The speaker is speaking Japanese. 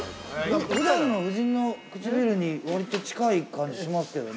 ふだんの夫人の唇に割と近い感じがしますけどね。